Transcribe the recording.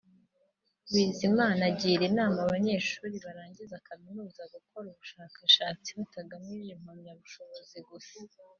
Bizimana agira inama abanyeshuri barangiza kaminuza gukora ubushakashatsi batagamije impamyabushobozi gusa